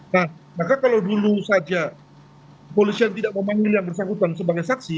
nah maka kalau dulu saja polisian tidak memanggil yang bersangkutan sebagai saksi